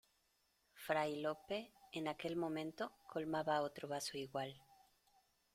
fray Lope, en aquel momento , colmaba otro vaso igual: